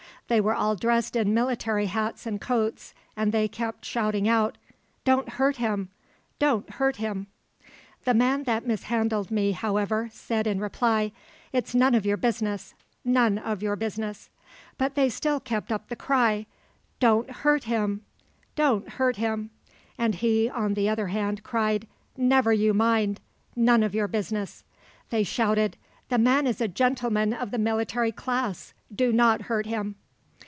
They were all dressed in military hats and coats, and they kept shouting out, 'Don't hurt him, don't hurt him.' "The man that mishandled me, however, said in reply, 'It's none of your business, none of your business'; but they still kept up the cry, 'Don't hurt him, don't hurt him'; and he, on the other hand, cried, 'Never you mind; none of your business.' They shouted, 'The man is a gentleman of the military class; do not hurt him.'